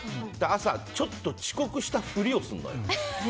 朝、ちょっと遅刻したふりをするのよ。